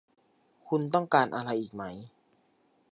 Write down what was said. คุณต้องการอะไรอีกไหม